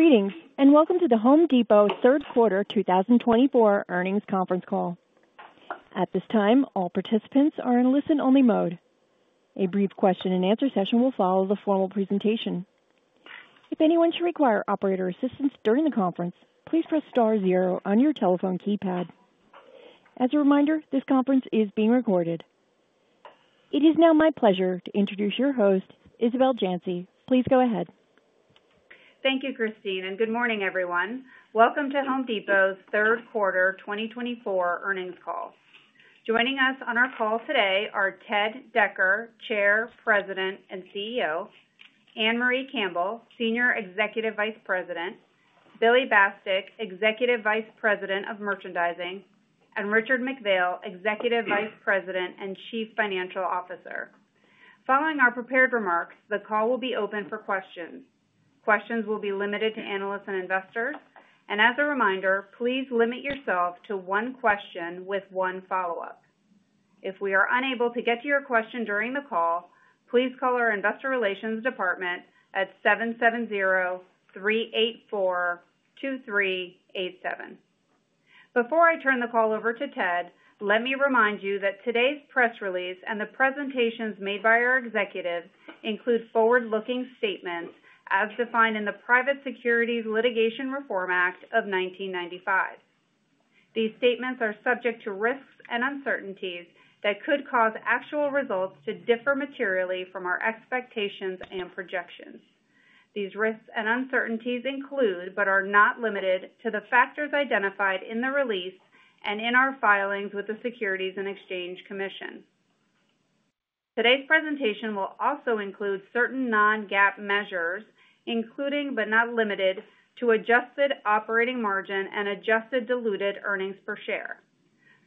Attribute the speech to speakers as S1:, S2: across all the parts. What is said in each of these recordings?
S1: Greetings, and welcome to the Home Depot Q3 2024 earnings conference call. At this time, all participants are in listen-only mode. A brief question-and-answer session will follow the formal presentation. If anyone should require operator assistance during the conference, please press star zero on your telephone keypad. As a reminder, this conference is being recorded. It is now my pleasure to introduce your host, Isabel Janci. Please go ahead.
S2: Thank you, Christine, and good morning, everyone. Welcome to Home Depot's Q3 2024 earnings call. Joining us on our call today are Ted Decker, Chair, President, and CEO, Ann-Marie Campbell, Senior Executive Vice President, Billy Bastek, Executive Vice President of Merchandising, and Richard McPhail, Executive Vice President and Chief Financial Officer. Following our prepared remarks, the call will be open for questions. Questions will be limited to analysts and investors, and as a reminder, please limit yourself to one question with one follow-up. If we are unable to get to your question during the call, please call our Investor Relations Department at 770-384-2387. Before I turn the call over to Ted, let me remind you that today's press release and the presentations made by our executives include forward-looking statements as defined in the Private Securities Litigation Reform Act of 1995. These statements are subject to risks and uncertainties that could cause actual results to differ materially from our expectations and projections. These risks and uncertainties include, but are not limited to, the factors identified in the release and in our filings with the Securities and Exchange Commission. Today's presentation will also include certain non-GAAP measures, including but not limited to adjusted operating margin and adjusted diluted earnings per share.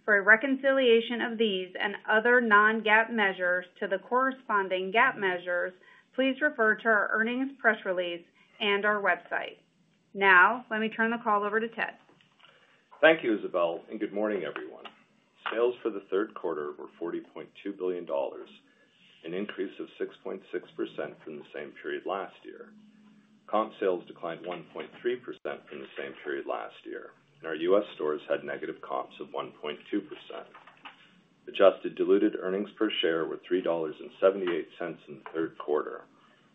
S2: For a reconciliation of these and other non-GAAP measures to the corresponding GAAP measures, please refer to our earnings press release and our website. Now, let me turn the call over to Ted.
S3: Thank you, Isabel, and good morning, everyone. Sales for the Q3 were $40.2 billion, an increase of 6.6% from the same period last year. Comp sales declined 1.3% from the same period last year, and our U.S. stores had negative comps of 1.2%. Adjusted diluted earnings per share were $3.78 in the Q3,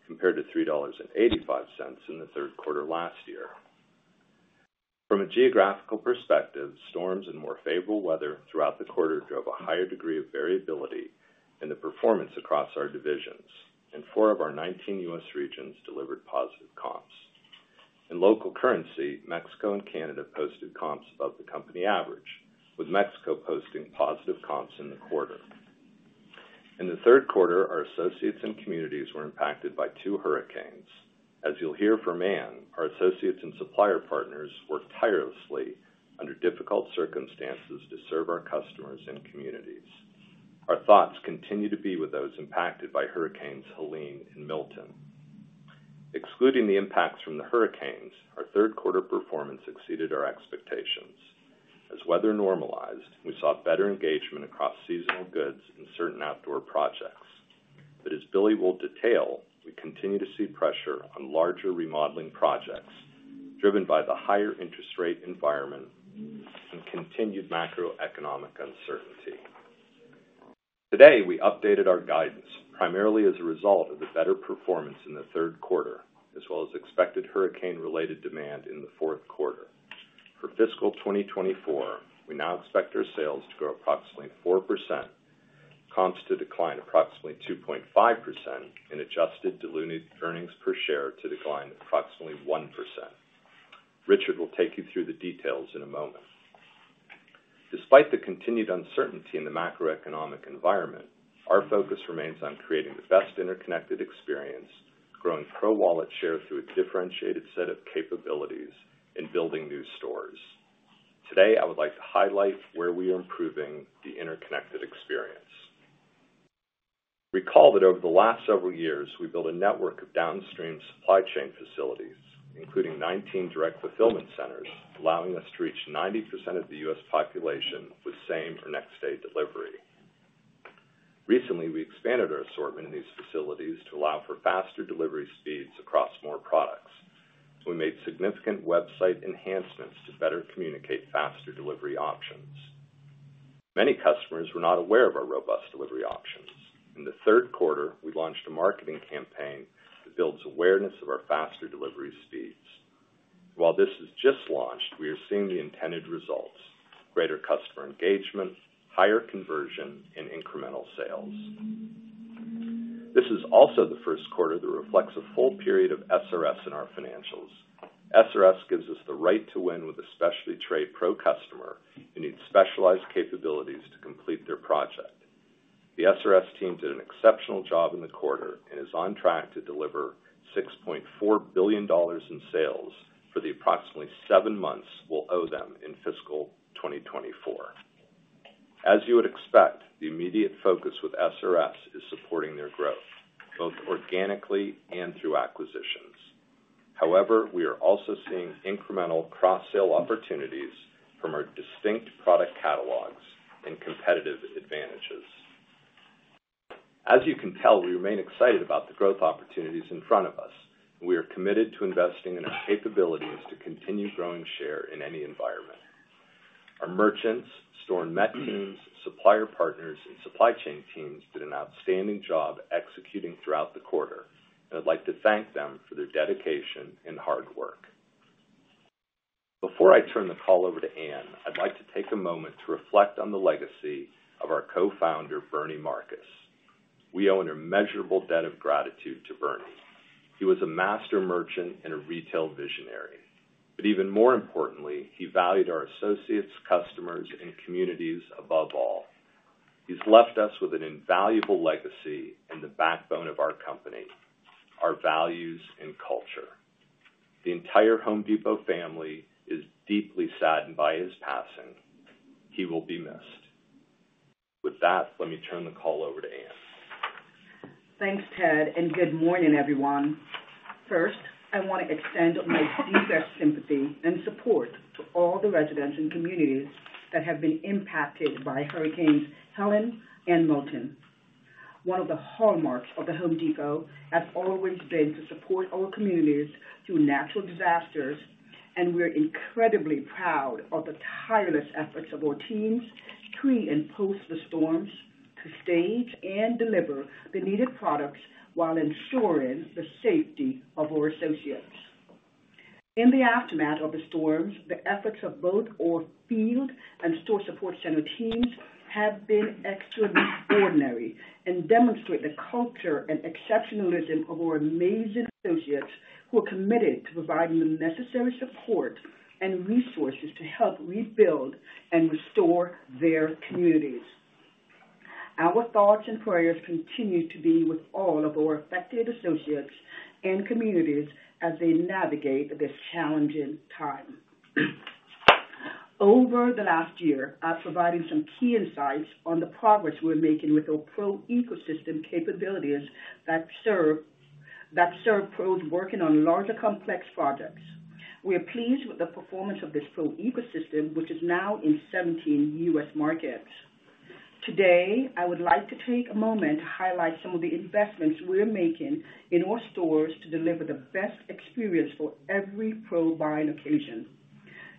S3: compared to $3.85 in the Q3 last year. From a geographical perspective, storms and more favorable weather throughout the quarter drove a higher degree of variability in the performance across our divisions, and four of our 19 U.S. regions delivered positive comps. In local currency, Mexico and Canada posted comps above the company average, with Mexico posting positive comps in the quarter. In the Q3, our associates and communities were impacted by two hurricanes. As you'll hear from Ann, our associates and supplier partners worked tirelessly under difficult circumstances to serve our customers and communities. Our thoughts continue to be with those impacted by Hurricanes Helene and Milton. Excluding the impacts from the hurricanes, our Q3 performance exceeded our expectations. As weather normalized, we saw better engagement across seasonal goods and certain outdoor projects. But as Billy will detail, we continue to see pressure on larger remodeling projects driven by the higher interest rate environment and continued macroeconomic uncertainty. Today, we updated our guidance primarily as a result of the better performance in the Q3, as well as expected hurricane-related demand in the Q4. For fiscal 2024, we now expect our sales to grow approximately 4%, comps to decline approximately 2.5%, and adjusted diluted earnings per share to decline approximately 1%. Richard will take you through the details in a moment. Despite the continued uncertainty in the macroeconomic environment, our focus remains on creating the best interconnected experience, growing pro-wallet share through a differentiated set of capabilities and building new stores. Today, I would like to highlight where we are improving the interconnected experience. Recall that over the last several years, we built a network of downstream supply chain facilities, including 19 direct fulfillment centers, allowing us to reach 90% of the U.S. population with same or next-day delivery. Recently, we expanded our assortment in these facilities to allow for faster delivery speeds across more products, and we made significant website enhancements to better communicate faster delivery options. Many customers were not aware of our robust delivery options. In the Q3, we launched a marketing campaign that builds awareness of our faster delivery speeds. While this is just launched, we are seeing the intended results: greater customer engagement, higher conversion, and incremental sales. This is also the Q1 that reflects a full period of SRS in our financials. SRS gives us the right to win with a specially trained pro customer who needs specialized capabilities to complete their project. The SRS team did an exceptional job in the quarter and is on track to deliver $6.4 billion in sales for the approximately seven months we'll owe them in fiscal 2024. As you would expect, the immediate focus with SRS is supporting their growth, both organically and through acquisitions. However, we are also seeing incremental cross-sale opportunities from our distinct product catalogs and competitive advantages. As you can tell, we remain excited about the growth opportunities in front of us, and we are committed to investing in our capabilities to continue growing share in any environment. Our merchants, store and MET teams, supplier partners, and supply chain teams did an outstanding job executing throughout the quarter, and I'd like to thank them for their dedication and hard work. Before I turn the call over to Ann, I'd like to take a moment to reflect on the legacy of our co-founder, Bernie Marcus. We owe an immeasurable debt of gratitude to Bernie. He was a master merchant and a retail visionary. But even more importantly, he valued our associates, customers, and communities above all. He's left us with an invaluable legacy and the backbone of our company, our values, and culture. The entire Home Depot family is deeply saddened by his passing. He will be missed. With that, let me turn the call over to Ann.
S4: Thanks, Ted, and good morning, everyone. First, I want to extend my deepest sympathy and support to all the residents and communities that have been impacted by Hurricanes Helene and Milton. One of the hallmarks of the Home Depot has always been to support our communities through natural disasters, and we are incredibly proud of the tireless efforts of our teams pre and post the storms to stage and deliver the needed products while ensuring the safety of our associates. In the aftermath of the storms, the efforts of both our field and store support center teams have been extraordinary and demonstrate the culture and exceptionalism of our amazing associates who are committed to providing the necessary support and resources to help rebuild and restore their communities. Our thoughts and prayers continue to be with all of our affected associates and communities as they navigate this challenging time. Over the last year, I've provided some key insights on the progress we're making with our Pro Ecosystem capabilities that serve pros working on larger complex projects. We are pleased with the performance of this Pro Ecosystem, which is now in 17 U.S. markets. Today, I would like to take a moment to highlight some of the investments we're making in our stores to deliver the best experience for every pro buying occasion.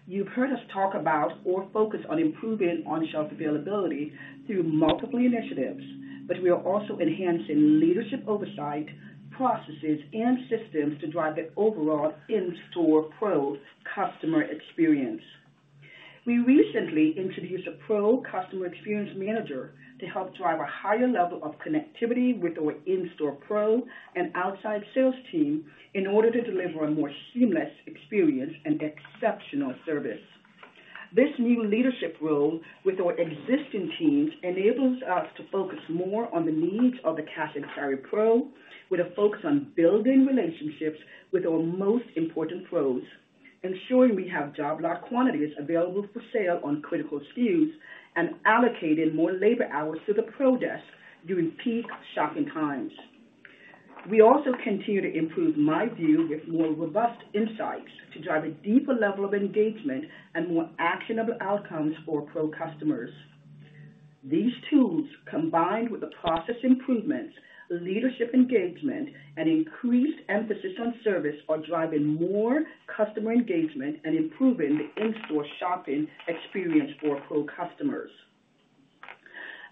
S4: You've heard us talk about or focus on improving on-shelf availability through multiple initiatives, but we are also enhancing leadership oversight, processes, and systems to drive the overall in-store pro customer experience. We recently introduced a pro customer experience manager to help drive a higher level of connectivity with our in-store pro and outside sales team in order to deliver a more seamless experience and exceptional service. This new leadership role with our existing teams enables us to focus more on the needs of the Cash and Carry Pro, with a focus on building relationships with our most important pros, ensuring we have job lot quantities available for sale on critical SKUs and allocating more labor hours to the Pro Desk during peak shopping times. We also continue to improve MyView with more robust insights to drive a deeper level of engagement and more actionable outcomes for pro customers. These tools, combined with the process improvements, leadership engagement, and increased emphasis on service, are driving more customer engagement and improving the in-store shopping experience for pro customers.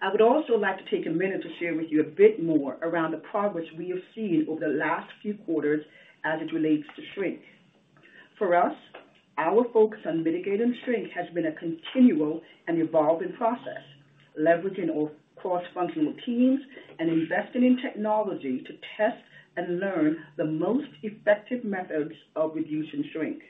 S4: I would also like to take a minute to share with you a bit more around the progress we have seen over the last few quarters as it relates to shrink. For us, our focus on mitigating shrink has been a continual and evolving process, leveraging our cross-functional teams and investing in technology to test and learn the most effective methods of reducing shrink.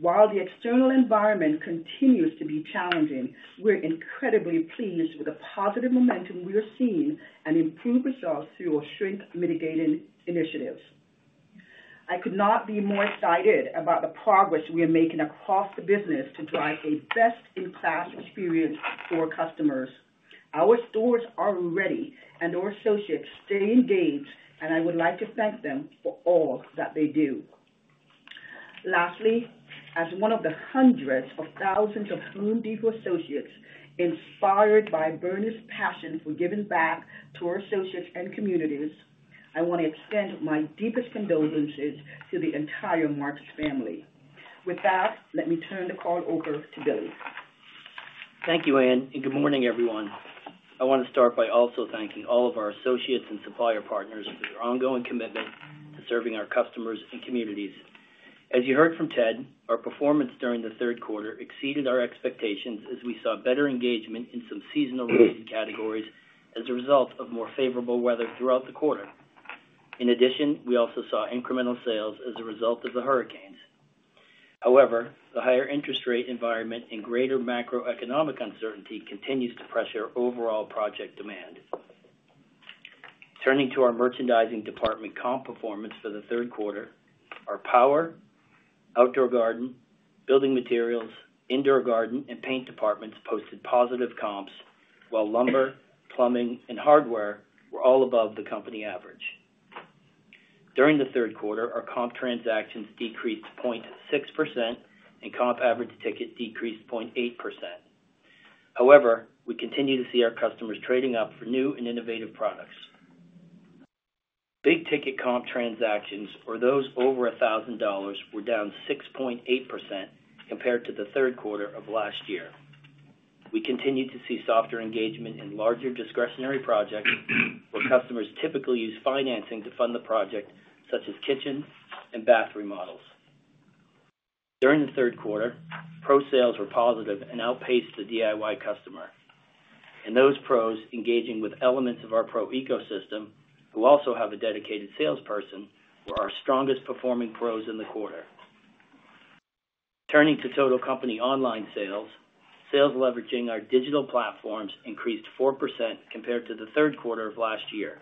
S4: While the external environment continues to be challenging, we're incredibly pleased with the positive momentum we are seeing and improved results through our shrink mitigating initiatives. I could not be more excited about the progress we are making across the business to drive a best-in-class experience for our customers. Our stores are ready, and our associates stay engaged, and I would like to thank them for all that they do. Lastly, as one of the hundreds of thousands of Home Depot associates inspired by Bernie's passion for giving back to our associates and communities, I want to extend my deepest condolences to the entire Marcus family. With that, let me turn the call over to Billy.
S5: Thank you, Ann, and good morning, everyone. I want to start by also thanking all of our associates and supplier partners for their ongoing commitment to serving our customers and communities. As you heard from Ted, our performance during the Q3 exceeded our expectations as we saw better engagement in some seasonal related categories as a result of more favorable weather throughout the quarter. In addition, we also saw incremental sales as a result of the hurricanes. However, the higher interest rate environment and greater macroeconomic uncertainty continues to pressure overall project demand. Turning to our merchandising department comp performance for the Q3, our power, outdoor garden, building materials, indoor garden, and paint departments posted positive comps, while lumber, plumbing, and hardware were all above the company average. During the Q3, our comp transactions decreased 0.6% and comp average ticket decreased 0.8%. However, we continue to see our customers trading up for new and innovative products. Big Ticket comp transactions, or those over $1,000, were down 6.8% compared to the Q3 of last year. We continue to see softer engagement in larger discretionary projects where customers typically use financing to fund the project, such as kitchen and bath remodels. During the Q3, pro sales were positive and outpaced the DIY customer, and those pros engaging with elements of our Pro Ecosystem, who also have a dedicated salesperson, were our strongest performing pros in the quarter. Turning to total company online sales, sales leveraging our digital platforms increased 4% compared to the Q3 of last year,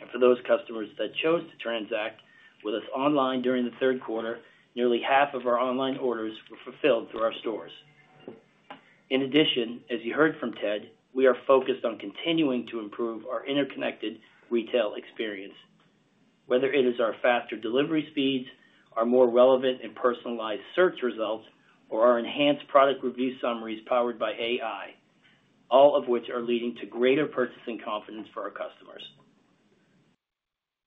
S5: and for those customers that chose to transact with us online during the Q3, nearly half of our online orders were fulfilled through our stores. In addition, as you heard from Ted, we are focused on continuing to improve our interconnected retail experience. Whether it is our faster delivery speeds, our more relevant and personalized search results, or our enhanced product review summaries powered by AI, all of which are leading to greater purchasing confidence for our customers.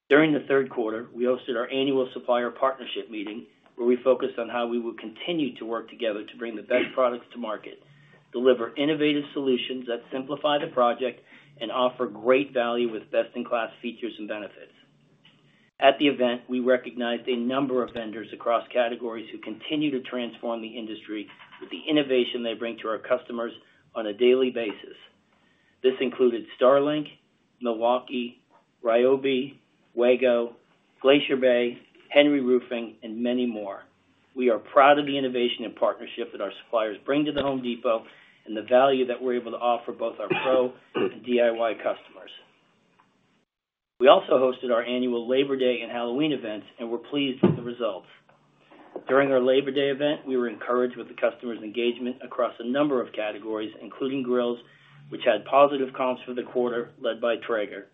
S5: During the Q3, we hosted our annual supplier partnership meeting where we focused on how we will continue to work together to bring the best products to market, deliver innovative solutions that simplify the project, and offer great value with best-in-class features and benefits. At the event, we recognized a number of vendors across categories who continue to transform the industry with the innovation they bring to our customers on a daily basis. This included Starlink, Milwaukee, Ryobi, Wago, Glacier Bay, Henry Roofing, and many more. We are proud of the innovation and partnership that our suppliers bring to the Home Depot and the value that we're able to offer both our pro and DIY customers. We also hosted our annual Labor Day and Halloween events and were pleased with the results. During our Labor Day event, we were encouraged with the customers' engagement across a number of categories, including grills, which had positive comps for the quarter led by Traeger.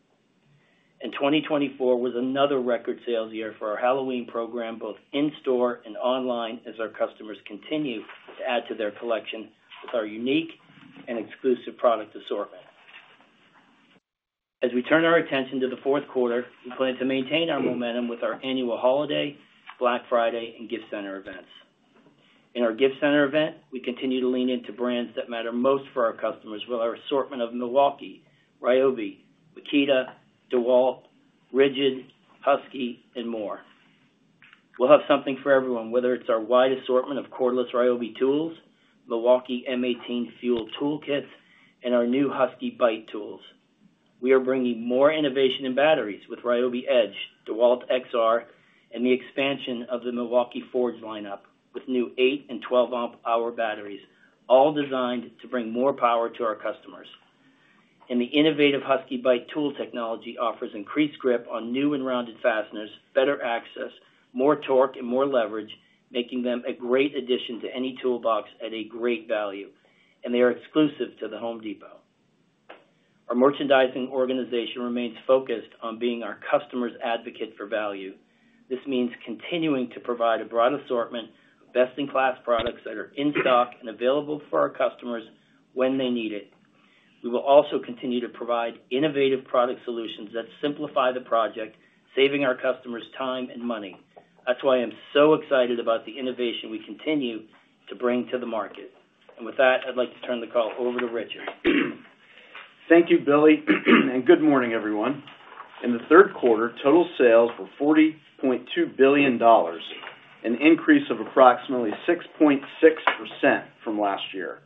S5: And 2024 was another record sales year for our Halloween program, both in store and online, as our customers continue to add to their collection with our unique and exclusive product assortment. As we turn our attention to the Q4, we plan to maintain our momentum with our annual holiday, Black Friday, and gift center events. In our gift center event, we continue to lean into brands that matter most for our customers with our assortment of Milwaukee, Ryobi, Makita, DeWalt, RIDGID, Husky, and more. We'll have something for everyone, whether it's our wide assortment of cordless Ryobi tools, Milwaukee M18 FUEL toolkits, and our new Husky Bite tools. We are bringing more innovation in batteries with Ryobi Edge, DeWalt XR, and the expansion of the Milwaukee Forge lineup with new eight and 12 amp hour batteries, all designed to bring more power to our customers, and the innovative Husky Bite tool technology offers increased grip on new and rounded fasteners, better access, more torque, and more leverage, making them a great addition to any toolbox at a great value, and they are exclusive to the Home Depot. Our merchandising organization remains focused on being our customers' advocate for value. This means continuing to provide a broad assortment of best-in-class products that are in stock and available for our customers when they need it. We will also continue to provide innovative product solutions that simplify the project, saving our customers time and money. That's why I'm so excited about the innovation we continue to bring to the market, and with that, I'd like to turn the call over to Richard.
S6: Thank you, Billy, and good morning, everyone. In the Q3, total sales were $40.2 billion, an increase of approximately 6.6% from last year.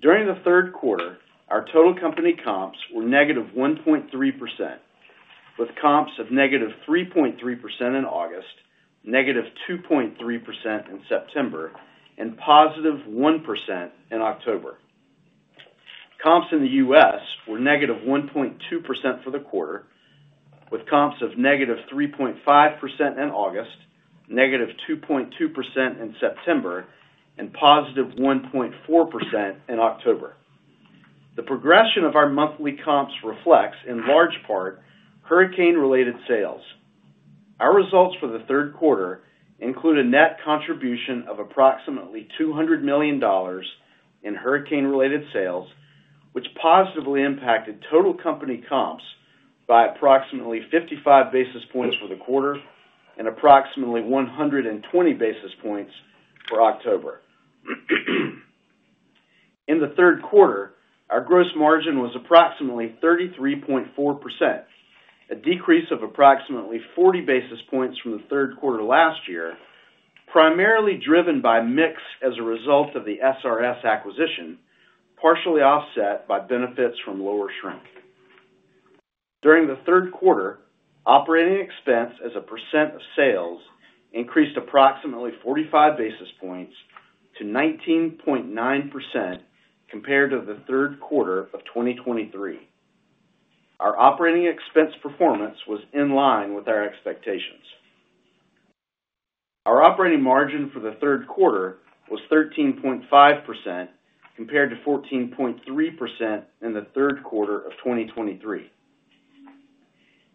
S6: During the Q3, our total company comps were negative 1.3%, with comps of negative 3.3% in August, negative 2.3% in September, and positive 1% in October. Comps in the U.S. were negative 1.2% for the quarter, with comps of negative 3.5% in August, negative 2.2% in September, and positive 1.4% in October. The progression of our monthly comps reflects, in large part, hurricane-related sales. Our results for the Q3 include a net contribution of approximately $200 million in hurricane-related sales, which positively impacted total company comps by approximately 55 basis points for the quarter and approximately 120 basis points for October. In the Q3, our gross margin was approximately 33.4%, a decrease of approximately 40 basis points from the Q3 last year, primarily driven by mix as a result of the SRS acquisition, partially offset by benefits from lower shrink. During the Q3, operating expense as a percent of sales increased approximately 45 basis points to 19.9% compared to the Q3 of 2023. Our operating expense performance was in line with our expectations. Our operating margin for the Q3 was 13.5% compared to 14.3% in the Q3 of 2023.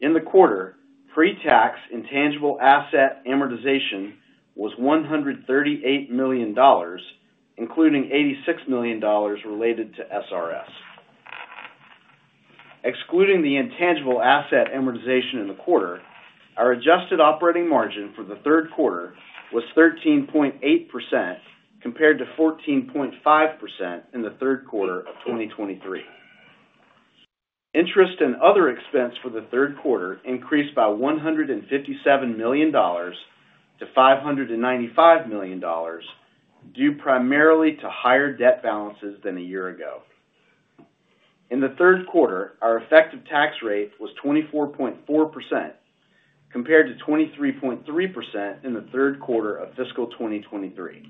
S6: In the quarter, pre-tax intangible asset amortization was $138 million, including $86 million related to SRS. Excluding the intangible asset amortization in the quarter, our adjusted operating margin for the Q3 was 13.8% compared to 14.5% in the Q3 of 2023. Interest and other expense for the Q3 increased by $157 million to $595 million, due primarily to higher debt balances than a year ago. In the Q3, our effective tax rate was 24.4% compared to 23.3% in the Q3 of fiscal 2023.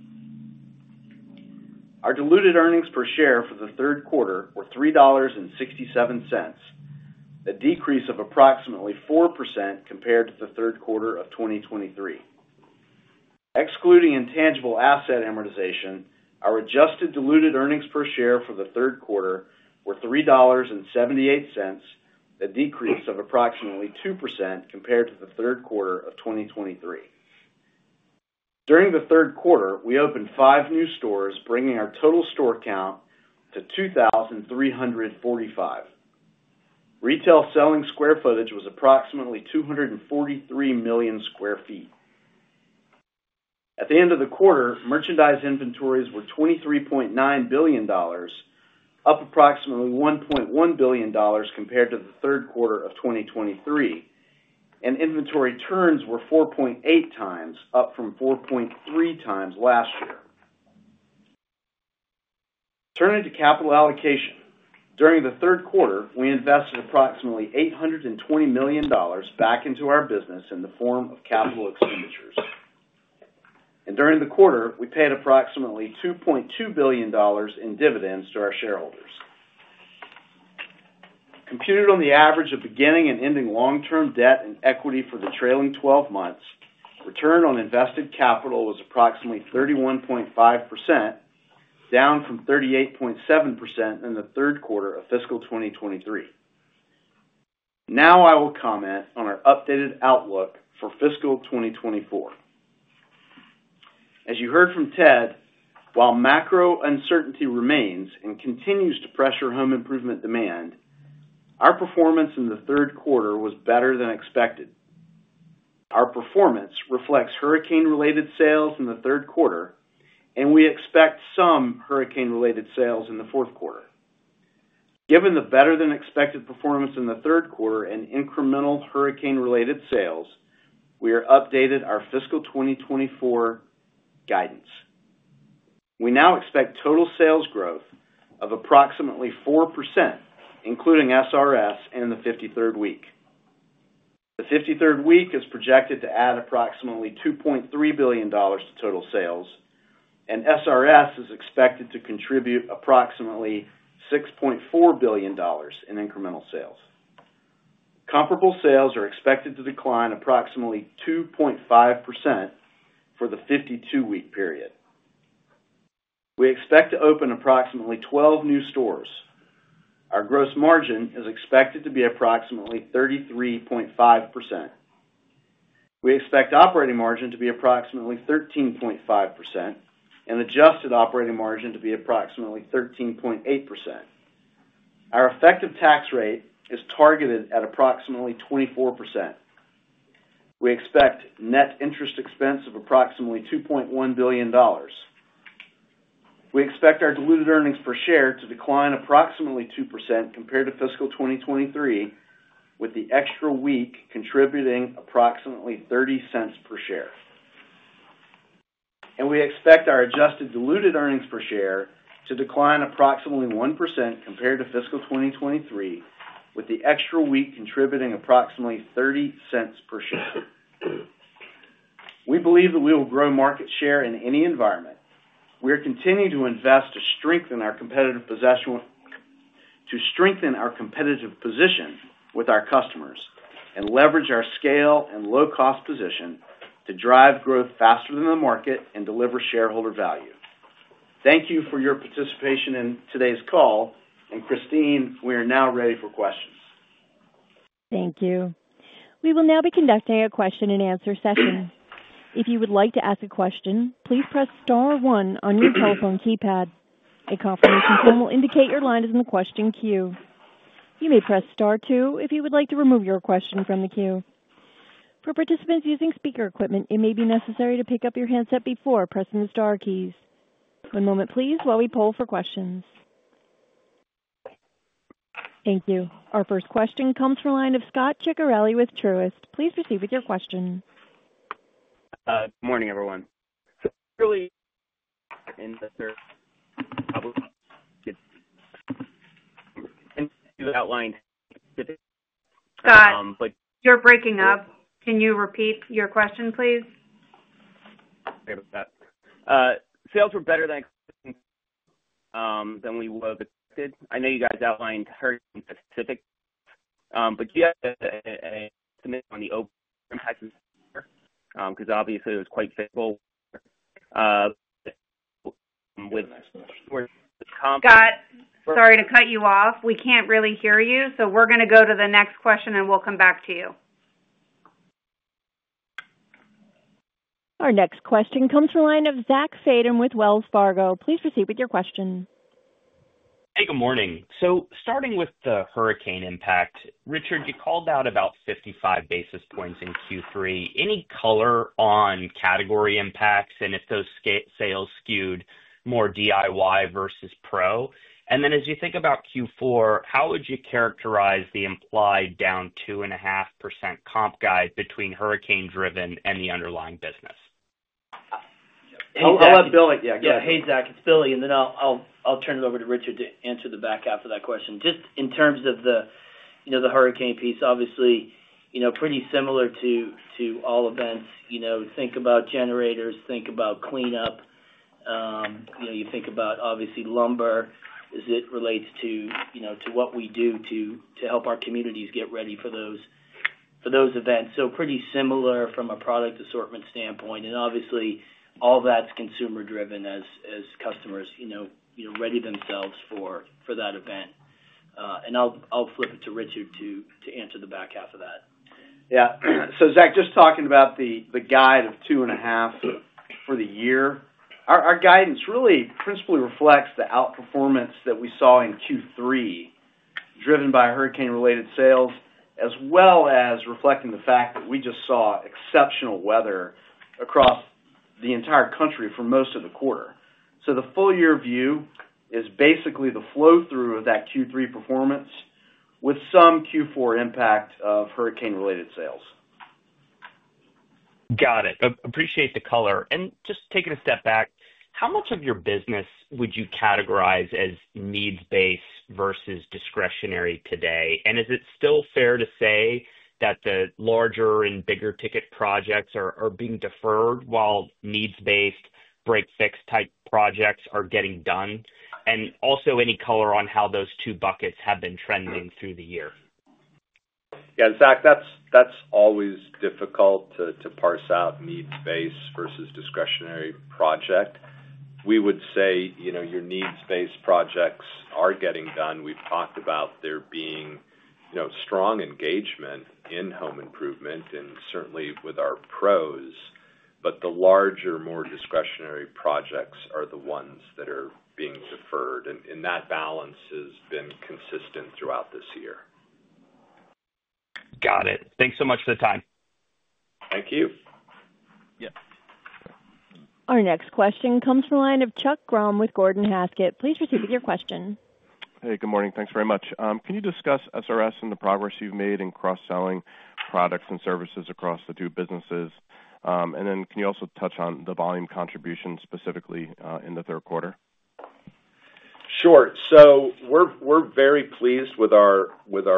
S6: Our diluted earnings per share for the Q3 were $3.67, a decrease of approximately 4% compared to the Q3 of 2023. Excluding intangible asset amortization, our adjusted diluted earnings per share for the Q3 were $3.78, a decrease of approximately 2% compared to the Q3 of 2023. During the Q3, we opened five new stores, bringing our total store count to 2,345. Retail selling square footage was approximately 243 million sq ft. At the end of the quarter, merchandise inventories were $23.9 billion, up approximately $1.1 billion compared to the Q3 of 2023, and inventory turns were 4.8 times, up from 4.3 times last year. Turning to capital allocation, during the Q3, we invested approximately $820 million back into our business in the form of capital expenditures. And during the quarter, we paid approximately $2.2 billion in dividends to our shareholders. Computed on the average of beginning and ending long-term debt and equity for the trailing 12 months, return on invested capital was approximately 31.5%, down from 38.7% in the Q3 of fiscal 2023. Now I will comment on our updated outlook for fiscal 2024. As you heard from Ted, while macro uncertainty remains and continues to pressure home improvement demand, our performance in the Q3 was better than expected. Our performance reflects hurricane-related sales in the Q3, and we expect some hurricane-related sales in the Q4. Given the better-than-expected performance in the Q3 and incremental hurricane-related sales, we have updated our fiscal 2024 guidance. We now expect total sales growth of approximately 4%, including SRS in the 53rd week. The 53rd week is projected to add approximately $2.3 billion to total sales, and SRS is expected to contribute approximately $6.4 billion in incremental sales. Comparable sales are expected to decline approximately 2.5% for the 52-week period. We expect to open approximately 12 new stores. Our gross margin is expected to be approximately 33.5%. We expect operating margin to be approximately 13.5% and adjusted operating margin to be approximately 13.8%. Our effective tax rate is targeted at approximately 24%. We expect net interest expense of approximately $2.1 billion. We expect our diluted earnings per share to decline approximately 2% compared to fiscal 2023, with the extra week contributing approximately $0.30 per share, and we expect our adjusted diluted earnings per share to decline approximately 1% compared to fiscal 2023, with the extra week contributing approximately $0.30 per share. We believe that we will grow market share in any environment. We are continuing to invest to strengthen our competitive position with our customers and leverage our scale and low-cost position to drive growth faster than the market and deliver shareholder value. Thank you for your participation in today's call, and Christine, we are now ready for questions.
S1: Thank you. We will now be conducting a question-and-answer session. If you would like to ask a question, please press Star 1 on your telephone keypad. A confirmation form will indicate your line is in the question queue. You may press Star 2 if you would like to remove your question from the queue. For participants using speaker equipment, it may be necessary to pick up your handset before pressing the Star keys. One moment, please, while we pull for questions. Thank you. Our first question comes from the line of Scot Ciccarelli with Truist. Please proceed with your question.
S7: Good morning, everyone. So really, in the Q3, we continued to outline specifics.
S1: Scot, you're breaking up. Can you repeat your question, please?
S7: Sales were better than expected than we would have expected. I know you guys outlined hurricane-specific, but do you have an estimate on the overall impact this year? Because obviously, it was quite visible.
S1: Scot, sorry to cut you off. We can't really hear you. So we're going to go to the next question, and we'll come back to you. Our next question comes from the line of Zach Fadem with Wells Fargo. Please proceed with your question.
S8: Hey, good morning. So starting with the hurricane impact, Richard, you called out about 55 basis points in Q3. Any color on category impacts and if those sales skewed more DIY versus pro? And then as you think about Q4, how would you characterize the implied down 2.5% comp guide between hurricane-driven and the underlying business?
S6: I'll let Billy, yeah, go ahead.
S5: Yeah, hey, Zach, it's Billy. And then I'll turn it over to Richard to answer the back half of that question. Just in terms of the hurricane piece, obviously, pretty similar to all events. Think about generators, think about cleanup. You think about, obviously, lumber as it relates to what we do to help our communities get ready for those events. So pretty similar from a product assortment standpoint. And obviously, all that's consumer-driven as customers ready themselves for that event. And I'll flip it to Richard to answer the back half of that.
S6: Yeah. So Zach, just talking about the guide of 2.5 for the year, our guidance really principally reflects the outperformance that we saw in Q3, driven by hurricane-related sales, as well as reflecting the fact that we just saw exceptional weather across the entire country for most of the quarter. So the full-year view is basically the flow-through of that Q3 performance with some Q4 impact of hurricane-related sales.
S8: Got it. Appreciate the color. And just taking a step back, how much of your business would you categorize as needs-based versus discretionary today? And is it still fair to say that the larger and bigger ticket projects are being deferred while needs-based break-fix type projects are getting done? And also any color on how those two buckets have been trending through the year?
S6: Yeah. Zach, that's always difficult to parse out needs-based versus discretionary project. We would say your needs-based projects are getting done. We've talked about there being strong engagement in home improvement and certainly with our pros, but the larger, more discretionary projects are the ones that are being deferred, and that balance has been consistent throughout this year.
S8: Got it. Thanks so much for the time.
S6: Thank you.
S7: Yes.
S1: Our next question comes from the line of Chuck Grom with Gordon Haskett. Please proceed with your question.
S9: Hey, good morning. Thanks very much. Can you discuss SRS and the progress you've made in cross-selling products and services across the two businesses? And then can you also touch on the volume contribution specifically in the Q3?
S6: Sure. So we're very pleased with our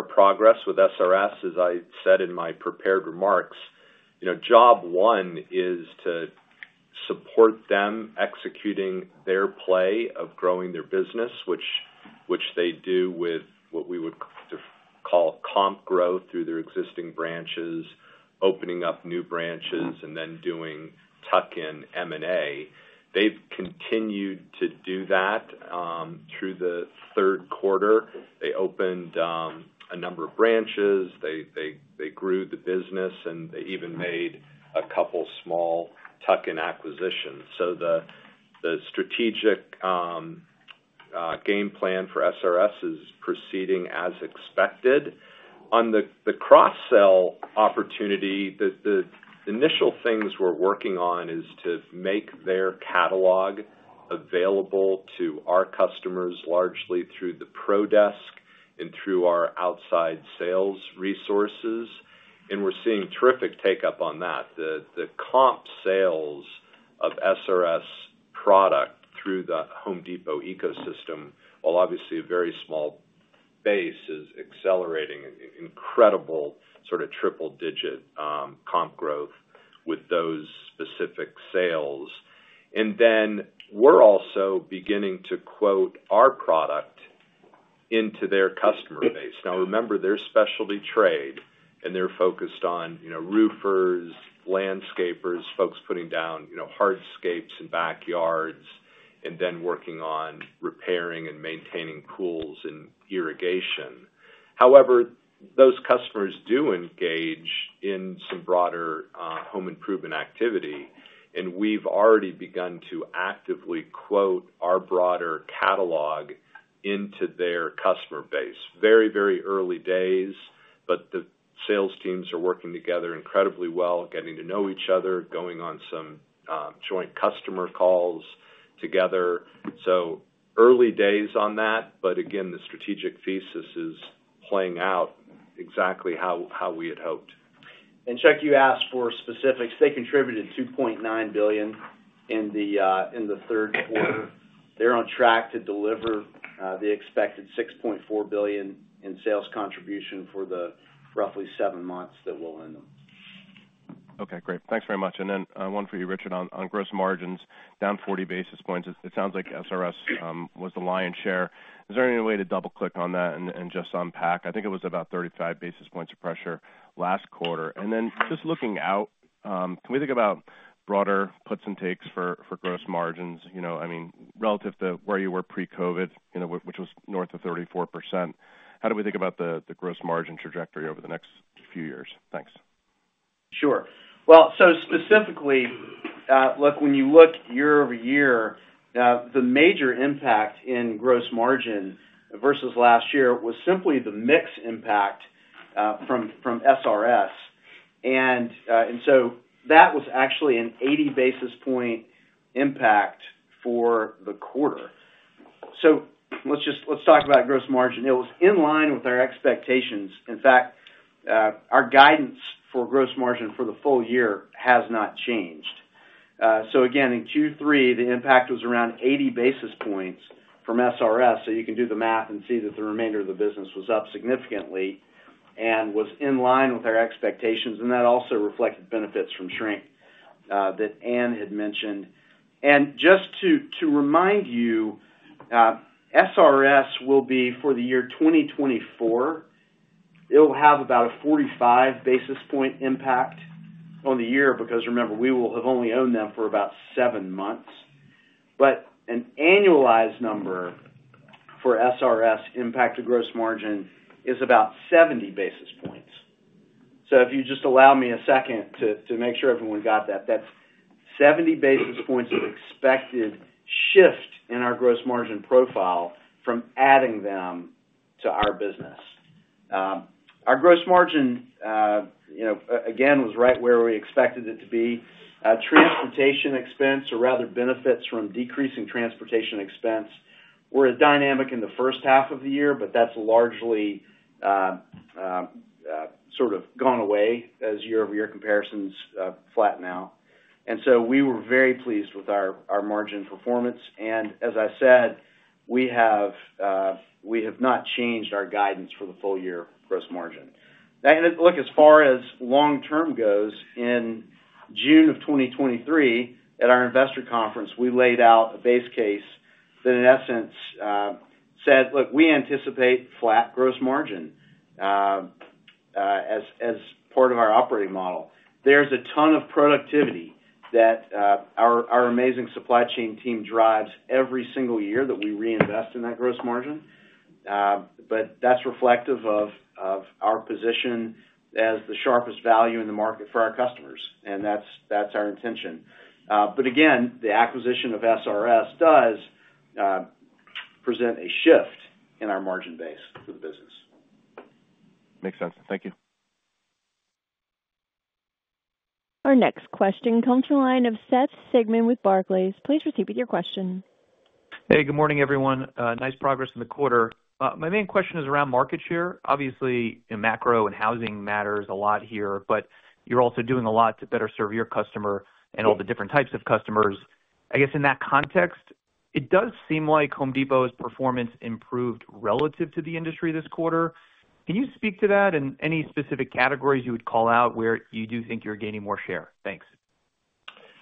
S6: progress with SRS, as I said in my prepared remarks. Job one is to support them executing their play of growing their business, which they do with what we would call comp growth through their existing branches, opening up new branches, and then doing tuck-in M&A. They've continued to do that through the Q3. They opened a number of branches. They grew the business, and they even made a couple of small tuck-in acquisitions. So the strategic game plan for SRS is proceeding as expected. On the cross-sell opportunity, the initial things we're working on is to make their catalog available to our customers largely through Pro Desk and through our outside sales resources. And we're seeing terrific take-up on that. The comp sales of SRS product through the Home Depot ecosystem, while obviously a very small base, is accelerating an incredible sort of triple-digit comp growth with those specific sales. And then we're also beginning to quote our product into their customer base. Now, remember, they're specialty trade, and they're focused on roofers, landscapers, folks putting down hardscapes in backyards, and then working on repairing and maintaining pools and irrigation. However, those customers do engage in some broader home improvement activity, and we've already begun to actively quote our broader catalog into their customer base. Very, very early days, but the sales teams are working together incredibly well, getting to know each other, going on some joint customer calls together. So early days on that, but again, the strategic thesis is playing out exactly how we had hoped. And Chuck, you asked for specifics. They contributed $2.9 billion in the Q3. They're on track to deliver the expected $6.4 billion in sales contribution for the roughly seven months that we'll own them.
S9: Okay. Great. Thanks very much. And then one for you, Richard, on gross margins, down 40 basis points. It sounds like SRS was the lion's share. Is there any way to double-click on that and just unpack? I think it was about 35 basis points of pressure last quarter. And then just looking out, can we think about broader puts and takes for gross margins? I mean, relative to where you were pre-COVID, which was north of 34%, how do we think about the gross margin trajectory over the next few years? Thanks.
S6: Sure. Well, so specifically, look, when you look year over year, the major impact in gross margin versus last year was simply the mix impact from SRS. And so that was actually an 80 basis points impact for the quarter. So let's talk about gross margin. It was in line with our expectations. In fact, our guidance for gross margin for the full year has not changed. So again, in Q3, the impact was around 80 basis points from SRS. So you can do the math and see that the remainder of the business was up significantly and was in line with our expectations. And that also reflected benefits from shrink that Ann had mentioned. And just to remind you, SRS will be for the year 2024. It'll have about a 45 basis points impact on the year because, remember, we will have only owned them for about seven months. An annualized number for SRS impacted gross margin is about 70 basis points. If you just allow me a second to make sure everyone got that, that's 70 basis points of expected shift in our gross margin profile from adding them to our business. Our gross margin, again, was right where we expected it to be. Transportation expense, or rather benefits from decreasing transportation expense, were a dynamic in the first half of the year, but that's largely sort of gone away as year-over-year comparisons flatten out. We were very pleased with our margin performance. As I said, we have not changed our guidance for the full-year gross margin. And look, as far as long-term goes, in June of 2023, at our investor conference, we laid out a base case that, in essence, said, "Look, we anticipate flat gross margin as part of our operating model." There's a ton of productivity that our amazing supply chain team drives every single year that we reinvest in that gross margin. But that's reflective of our position as the sharpest value in the market for our customers. And that's our intention. But again, the acquisition of SRS does present a shift in our margin base for the business.
S9: Makes sense. Thank you.
S1: Our next question comes from the line of Seth Sigman with Barclays. Please proceed with your question.
S10: Hey, good morning, everyone. Nice progress in the quarter. My main question is around market share. Obviously, macro and housing matters a lot here, but you're also doing a lot to better serve your customer and all the different types of customers. I guess in that context, it does seem like Home Depot's performance improved relative to the industry this quarter. Can you speak to that and any specific categories you would call out where you do think you're gaining more share? Thanks.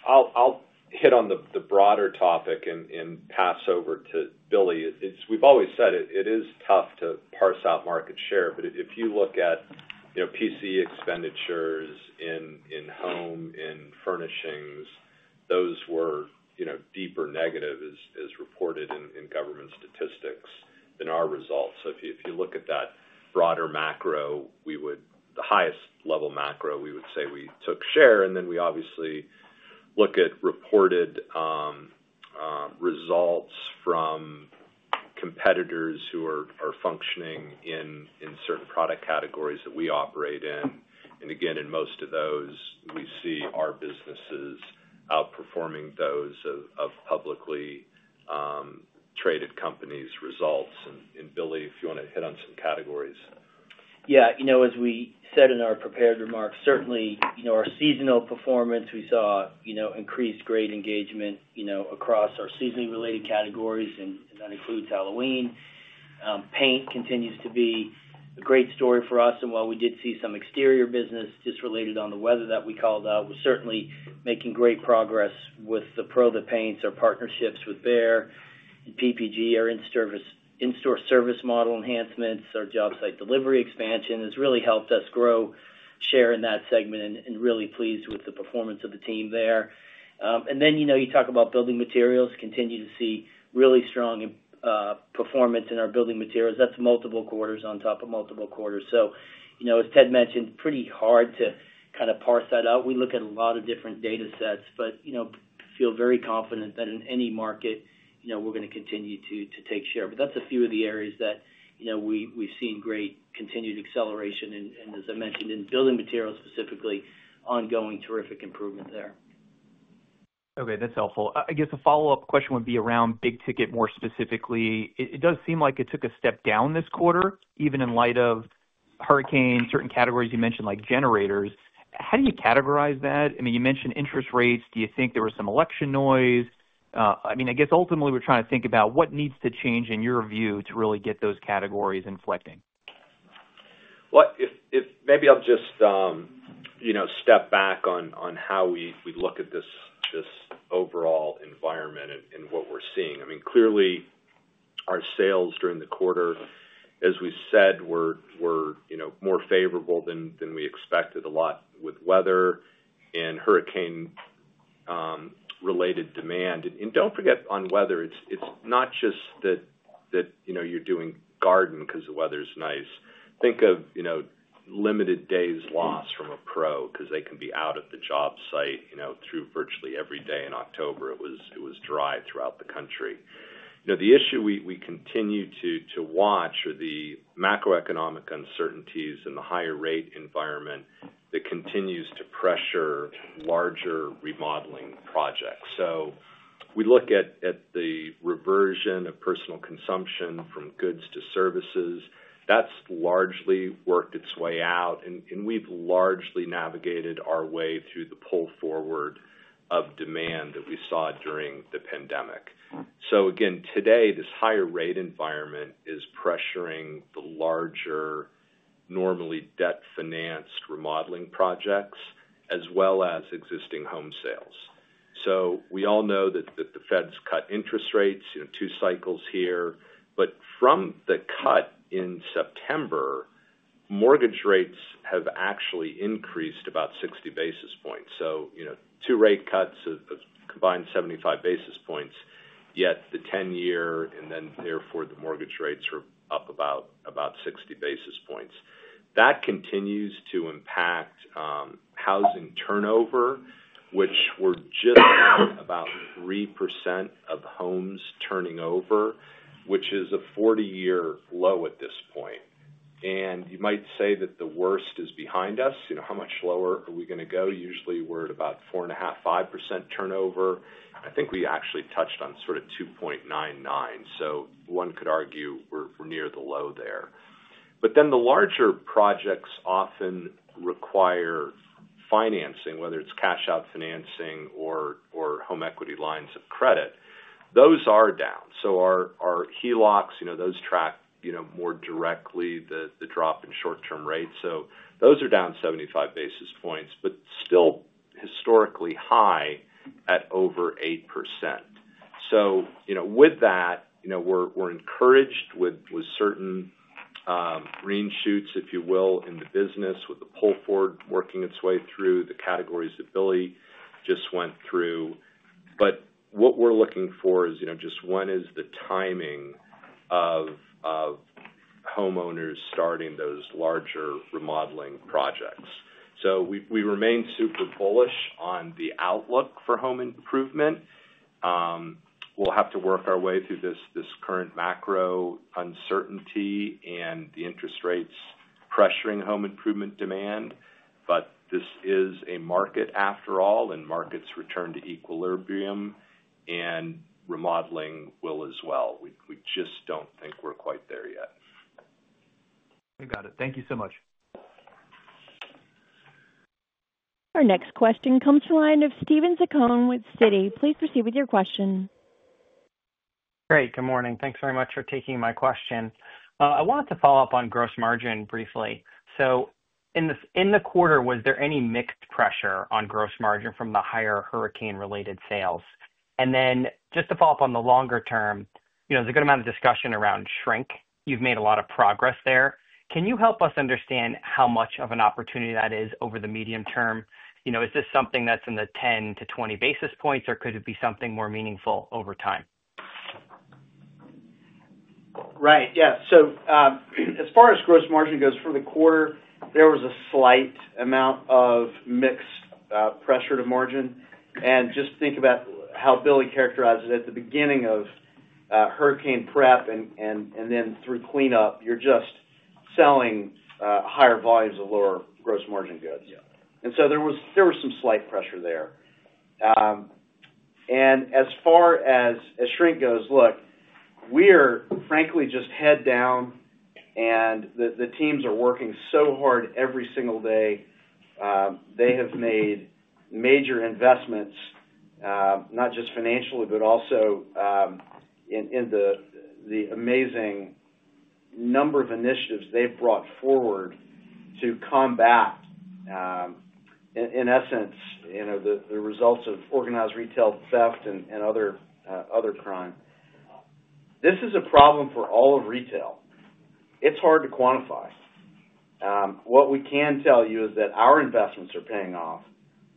S6: I'll hit on the broader topic and pass over to Billy. We've always said it is tough to parse out market share. But if you look at PCE expenditures in home and furnishings, those were deeper negatives as reported in government statistics than our results. So if you look at that broader macro, the highest level macro, we would say we took share. And then we obviously look at reported results from competitors who are functioning in certain product categories that we operate in. And again, in most of those, we see our businesses outperforming those of publicly traded companies' results. And Billy, if you want to hit on some categories.
S5: Yeah. As we said in our prepared remarks, certainly our seasonal performance, we saw increased guest engagement across our seasonally related categories, and that includes Halloween. Paint continues to be a great story for us, and while we did see some exterior business decline related to the weather that we called out, we're certainly making great progress with the pro paints, our partnerships with Behr and PPG, our in-store service model enhancements. Our job site delivery expansion has really helped us grow share in that segment and really pleased with the performance of the team there, and then you talk about building materials, continue to see really strong performance in our building materials. That's multiple quarters on top of multiple quarters, so as Ted mentioned, pretty hard to kind of parse that out. We look at a lot of different data sets, but feel very confident that in any market, we're going to continue to take share. But that's a few of the areas that we've seen great continued acceleration. And as I mentioned, in building materials specifically, ongoing terrific improvement there.
S10: Okay. That's helpful. I guess the follow-up question would be around big ticket more specifically. It does seem like it took a step down this quarter, even in light of hurricanes, certain categories you mentioned like generators. How do you categorize that? I mean, you mentioned interest rates. Do you think there was some election noise? I mean, I guess ultimately we're trying to think about what needs to change in your view to really get those categories inflecting.
S6: Maybe I'll just step back on how we look at this overall environment and what we're seeing. I mean, clearly, our sales during the quarter, as we said, were more favorable than we expected a lot with weather and hurricane-related demand. And don't forget on weather, it's not just that you're doing garden because the weather's nice. Think of limited days lost from a pro because they can be out of the job site through virtually every day in October. It was dry throughout the country. The issue we continue to watch are the macroeconomic uncertainties and the higher rate environment that continues to pressure larger remodeling projects. So we look at the reversion of personal consumption from goods to services. That's largely worked its way out. And we've largely navigated our way through the pull forward of demand that we saw during the pandemic. So again, today, this higher rate environment is pressuring the larger normally debt-financed remodeling projects as well as existing home sales. So we all know that the Fed's cut interest rates, two cycles here. But from the cut in September, mortgage rates have actually increased about 60 basis points. So two rate cuts of combined 75 basis points, yet the 10-year, and then therefore the mortgage rates are up about 60 basis points. That continues to impact housing turnover, which we're just about 3% of homes turning over, which is a 40-year low at this point. And you might say that the worst is behind us. How much lower are we going to go? Usually, we're at about 4.5%-5% turnover. I think we actually touched on sort of 2.99%. So one could argue we're near the low there. But then the larger projects often require financing, whether it's cash-out financing or home equity lines of credit. Those are down. So our HELOCs, those track more directly the drop in short-term rates. So those are down 75 basis points, but still historically high at over 8%. So with that, we're encouraged with certain green shoots, if you will, in the business with the pull forward working its way through the categories that Billy just went through. But what we're looking for is just one is the timing of homeowners starting those larger remodeling projects. So we remain super bullish on the outlook for home improvement. We'll have to work our way through this current macro uncertainty and the interest rates pressuring home improvement demand. But this is a market after all, and markets return to equilibrium, and remodeling will as well. We just don't think we're quite there yet.
S10: We got it. Thank you so much.
S1: Our next question comes from the line of Steven Zaccone with Citi. Please proceed with your question.
S11: Great. Good morning. Thanks very much for taking my question. I wanted to follow up on gross margin briefly. So in the quarter, was there any mixed pressure on gross margin from the higher hurricane-related sales? And then just to follow up on the longer term, there's a good amount of discussion around shrink. You've made a lot of progress there. Can you help us understand how much of an opportunity that is over the medium term? Is this something that's in the 10 to 20 basis points, or could it be something more meaningful over time?
S6: Right. Yeah. So as far as gross margin goes for the quarter, there was a slight amount of mixed pressure to margin. And just think about how Billy characterized it at the beginning of hurricane prep and then through cleanup, you're just selling higher volumes of lower gross margin goods. And so there was some slight pressure there. And as far as shrink goes, look, we're frankly just head down, and the teams are working so hard every single day. They have made major investments, not just financially, but also in the amazing number of initiatives they've brought forward to combat, in essence, the results of organized retail theft and other crime. This is a problem for all of retail. It's hard to quantify. What we can tell you is that our investments are paying off.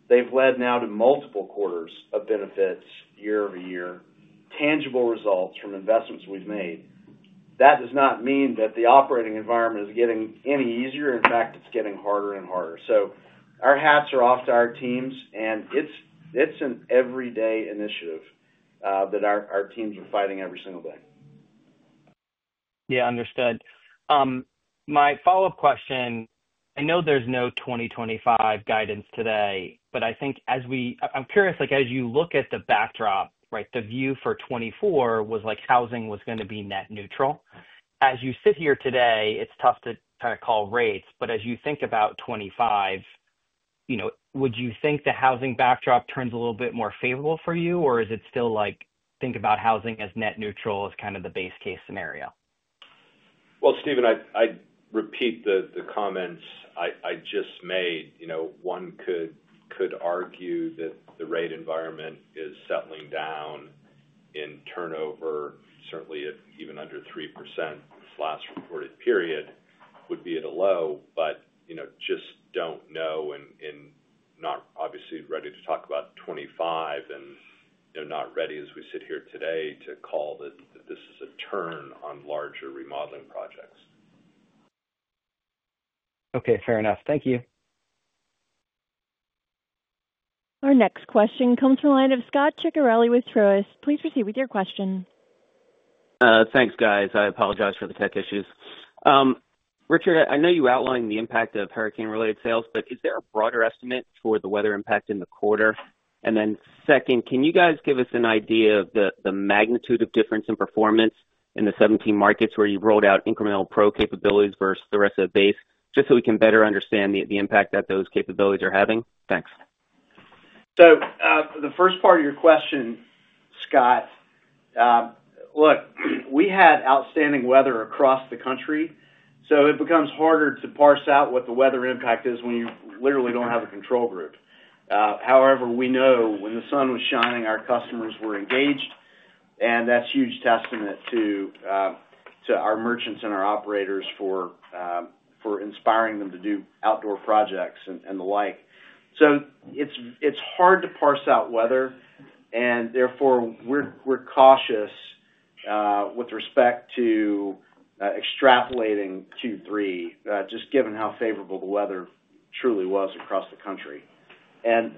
S6: They've led now to multiple quarters of benefits year over year, tangible results from investments we've made. That does not mean that the operating environment is getting any easier. In fact, it's getting harder and harder, so our hats are off to our teams, and it's an everyday initiative that our teams are fighting every single day.
S11: Yeah. Understood. My follow-up question, I know there's no 2025 guidance today, but I think I'm curious, as you look at the backdrop, right, the view for 2024 was housing was going to be net neutral. As you sit here today, it's tough to kind of call rates. But as you think about 2025, would you think the housing backdrop turns a little bit more favorable for you, or is it still like, think about housing as net neutral as kind of the base case scenario?
S6: Steven, I repeat the comments I just made. One could argue that the rate environment is settling down in turnover. Certainly, even under 3% this last reported period would be at a low, but just don't know and not obviously ready to talk about 2025 and not ready, as we sit here today, to call that this is a turn on larger remodeling projects.
S11: Okay. Fair enough. Thank you.
S1: Our next question comes from the line of Scot Ciccarelli with Truist. Please proceed with your question.
S7: Thanks, guys. I apologize for the tech issues. Richard, I know you outlined the impact of hurricane-related sales, but is there a broader estimate for the weather impact in the quarter? And then second, can you guys give us an idea of the magnitude of difference in performance in the 17 markets where you've rolled out incremental pro capabilities versus the rest of the base, just so we can better understand the impact that those capabilities are having? Thanks.
S6: So the first part of your question, Scott, look, we had outstanding weather across the country. So it becomes harder to parse out what the weather impact is when you literally don't have a control group. However, we know when the sun was shining, our customers were engaged, and that's a huge testament to our merchants and our operators for inspiring them to do outdoor projects and the like. So it's hard to parse out weather, and therefore, we're cautious with respect to extrapolating Q3, just given how favorable the weather truly was across the country. And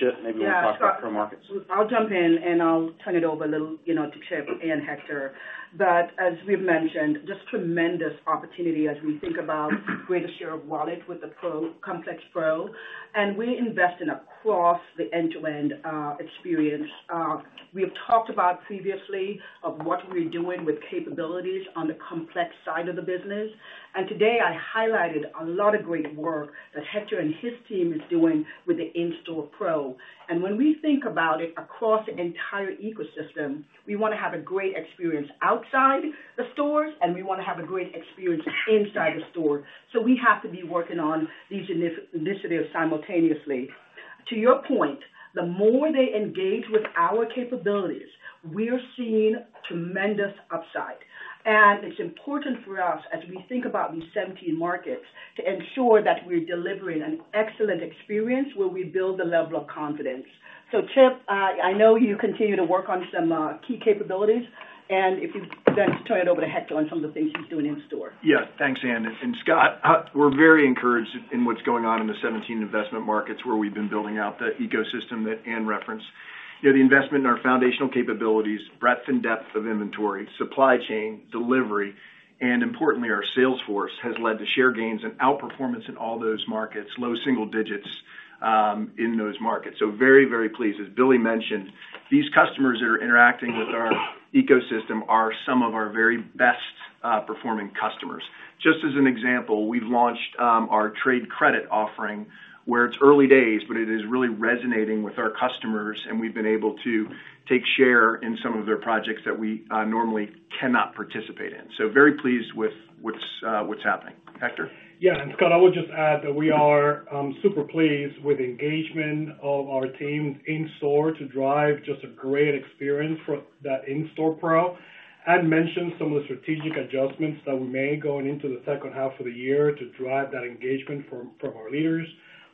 S6: Chip, maybe we'll talk about pro markets.
S2: Yeah. I'll jump in, and I'll turn it over a little to Chip and Hector. But as we've mentioned, just tremendous opportunity as we think about greater share of wallet with the Pro Complex Pro. And we invest in across the end-to-end experience. We have talked about previously of what we're doing with capabilities on the complex side of the business. And today, I highlighted a lot of great work that Hector and his team is doing with the in-store pro. And when we think about it across the entire ecosystem, we want to have a great experience outside the stores, and we want to have a great experience inside the store. So we have to be working on these initiatives simultaneously. To your point, the more they engage with our capabilities, we're seeing tremendous upside. It's important for us, as we think about these 17 markets, to ensure that we're delivering an excellent experience where we build the level of confidence. Chip, I know you continue to work on some key capabilities, and if you then turn it over to Hector on some of the things he's doing in-store.
S12: Yeah. Thanks, Ann. And Scott, we're very encouraged in what's going on in the 17 investment markets where we've been building out the ecosystem that Ann referenced. The investment in our foundational capabilities, breadth and depth of inventory, supply chain, delivery, and importantly, our sales force has led to share gains and outperformance in all those markets, low single digits in those markets. So very, very pleased. As Billy mentioned, these customers that are interacting with our ecosystem are some of our very best-performing customers. Just as an example, we've launched our trade credit offering where it's early days, but it is really resonating with our customers, and we've been able to take share in some of their projects that we normally cannot participate in. So very pleased with what's happening. Hector?
S13: Yeah. And Scot, I would just add that we are super pleased with the engagement of our teams in-store to drive just a great experience for that in-store pro. Ann mentioned some of the strategic adjustments that we made going into the second half of the year to drive that engagement from our leaders.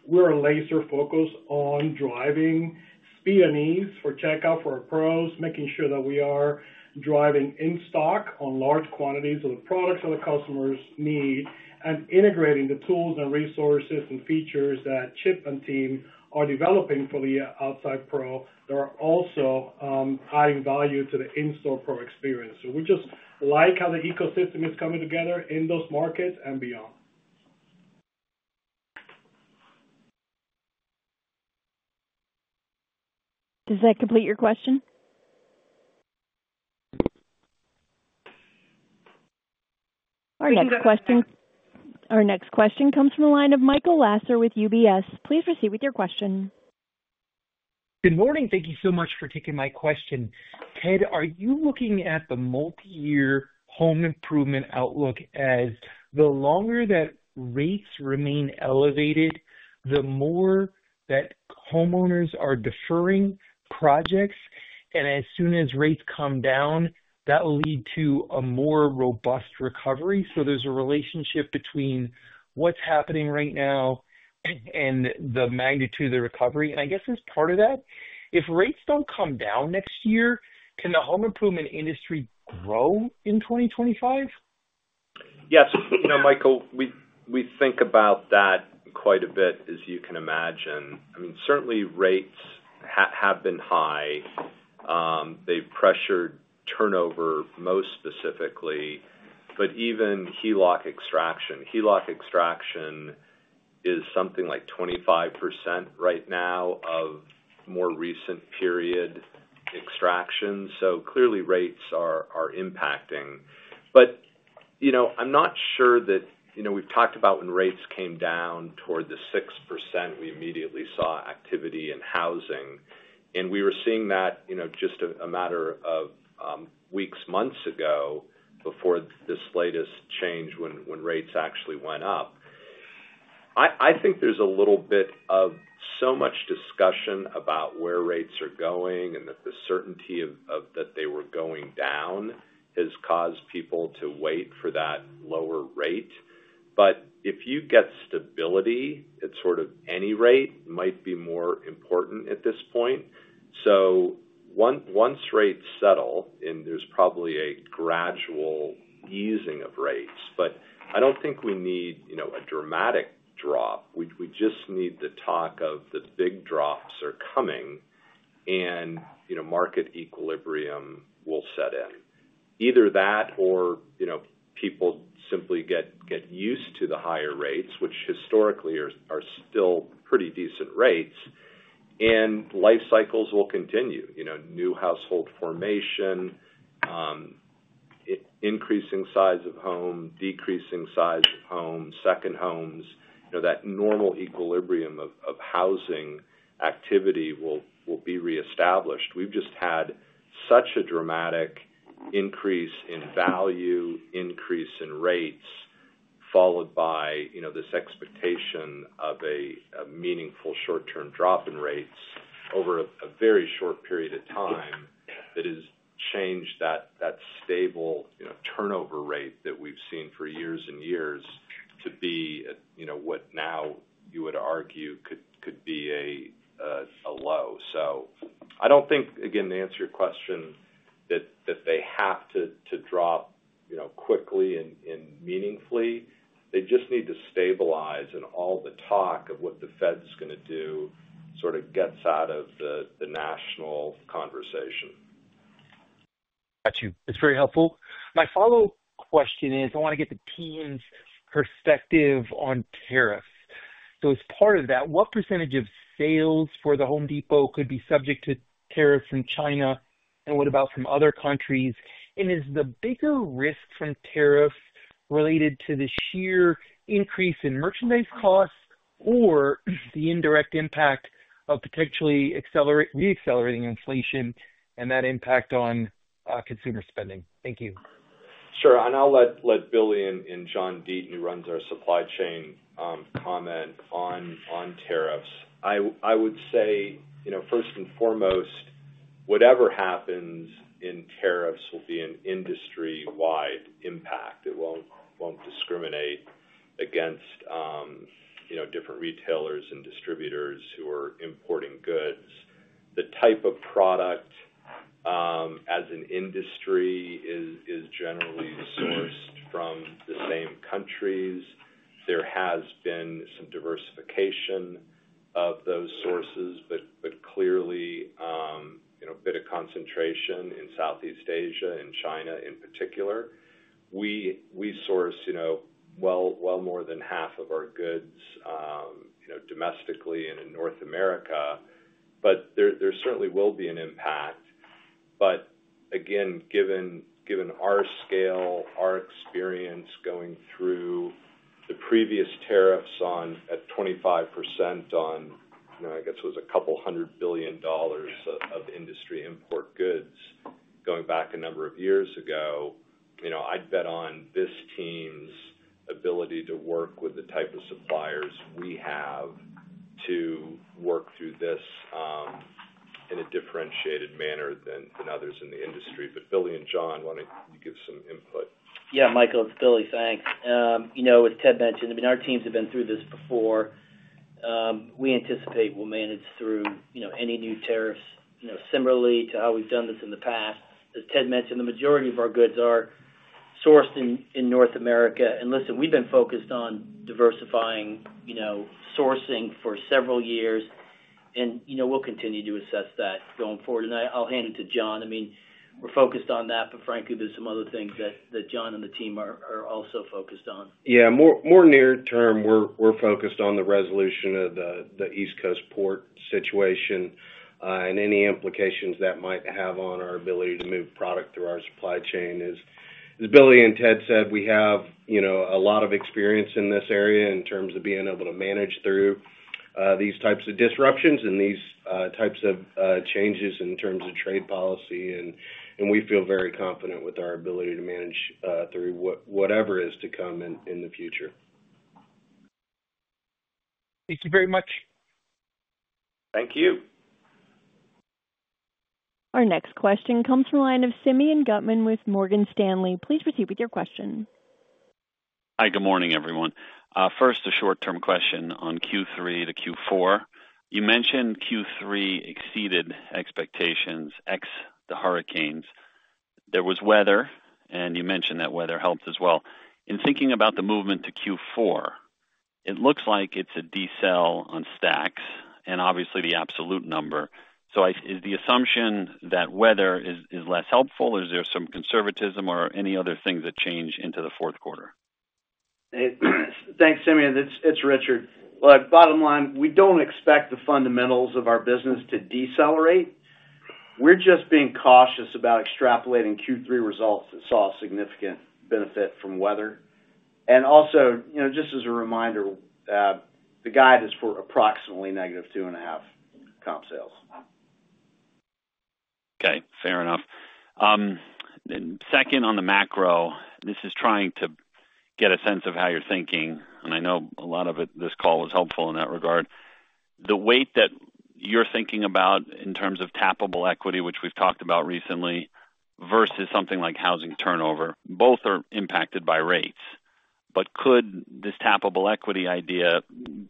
S13: We're a laser focus on driving speed and ease for checkout for our pros, making sure that we are driving in stock on large quantities of the products that our customers need and integrating the tools and resources and features that Chip and team are developing for the outside pro that are also adding value to the in-store pro experience. So we just like how the ecosystem is coming together in those markets and beyond.
S1: Does that complete your question? Our next question comes from the line of Michael Lasser with UBS. Please proceed with your question.
S14: Good morning. Thank you so much for taking my question. Ted, are you looking at the multi-year home improvement outlook as the longer that rates remain elevated, the more that homeowners are deferring projects? And as soon as rates come down, that will lead to a more robust recovery. So there's a relationship between what's happening right now and the magnitude of the recovery. And I guess as part of that, if rates don't come down next year, can the home improvement industry grow in 2025?
S6: Yes. Michael, we think about that quite a bit, as you can imagine. I mean, certainly, rates have been high. They've pressured turnover most specifically, but even HELOC extraction. HELOC extraction is something like 25% right now of more recent period extraction, so clearly, rates are impacting, but I'm not sure that we've talked about when rates came down toward the 6%, we immediately saw activity in housing, and we were seeing that just a matter of weeks, months ago before this latest change when rates actually went up. I think there's a little bit of so much discussion about where rates are going and that the certainty that they were going down has caused people to wait for that lower rate, but if you get stability at sort of any rate, it might be more important at this point. So once rates settle, and there's probably a gradual easing of rates, but I don't think we need a dramatic drop. We just need the talk of the big drops are coming, and market equilibrium will set in. Either that or people simply get used to the higher rates, which historically are still pretty decent rates, and life cycles will continue. New household formation, increasing size of home, decreasing size of home, second homes, that normal equilibrium of housing activity will be reestablished. We've just had such a dramatic increase in value, increase in rates, followed by this expectation of a meaningful short-term drop in rates over a very short period of time that has changed that stable turnover rate that we've seen for years and years to be what now you would argue could be a low. So I don't think, again, to answer your question, that they have to drop quickly and meaningfully. They just need to stabilize, and all the talk of what the Fed's going to do sort of gets out of the national conversation.
S14: Got you. That's very helpful. My follow-up question is I want to get the team's perspective on tariffs. So as part of that, what percentage of sales for the Home Depot could be subject to tariffs from China? And what about from other countries? And is the bigger risk from tariffs related to the sheer increase in merchandise costs or the indirect impact of potentially re-accelerating inflation and that impact on consumer spending? Thank you.
S6: Sure. And I'll let Billy and John Deaton, who runs our supply chain, comment on tariffs. I would say, first and foremost, whatever happens in tariffs will be an industry-wide impact. It won't discriminate against different retailers and distributors who are importing goods. The type of product as an industry is generally sourced from the same countries. There has been some diversification of those sources, but clearly, a bit of concentration in Southeast Asia and China in particular. We source well more than half of our goods domestically in North America, but there certainly will be an impact. But again, given our scale, our experience going through the previous tariffs at 25% on, I guess it was a couple hundred billion dollars of industry import goods going back a number of years ago, I'd bet on this team's ability to work with the type of suppliers we have to work through this in a differentiated manner than others in the industry. But Billy and John, why don't you give some input?
S5: Yeah. Michael, it's Billy. Thanks. As Ted mentioned, I mean, our teams have been through this before. We anticipate we'll manage through any new tariffs. Similarly to how we've done this in the past, as Ted mentioned, the majority of our goods are sourced in North America. And listen, we've been focused on diversifying sourcing for several years, and we'll continue to assess that going forward. And I'll hand it to John. I mean, we're focused on that, but frankly, there's some other things that John and the team are also focused on.
S15: Yeah. More near term, we're focused on the resolution of the East Coast port situation and any implications that might have on our ability to move product through our supply chain. As Billy and Ted said, we have a lot of experience in this area in terms of being able to manage through these types of disruptions and these types of changes in terms of trade policy, and we feel very confident with our ability to manage through whatever is to come in the future.
S2: Thank you very much.
S6: Thank you.
S1: Our next question comes from the line of Simeon Gutman with Morgan Stanley. Please proceed with your question.
S16: Hi. Good morning, everyone. First, a short-term question on Q3 to Q4. You mentioned Q3 exceeded expectations ex the hurricanes. There was weather, and you mentioned that weather helped as well. In thinking about the movement to Q4, it looks like it's a decel on stacks and obviously the absolute number. So is the assumption that weather is less helpful, or is there some conservatism or any other things that change into the Q4?
S6: Thanks, Simeon. It's Richard. Look, bottom line, we don't expect the fundamentals of our business to decelerate. We're just being cautious about extrapolating Q3 results that saw a significant benefit from weather, and also, just as a reminder, the guide is for approximately negative two and a half comp sales.
S16: Okay. Fair enough. Second, on the macro, this is trying to get a sense of how you're thinking. And I know a lot of this call was helpful in that regard. The weight that you're thinking about in terms of tappable equity, which we've talked about recently, versus something like housing turnover, both are impacted by rates. But could this tappable equity idea